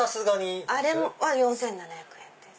あれは４７００円です。